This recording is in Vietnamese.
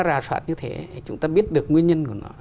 ra soát như thế chúng ta biết được nguyên nhân của nó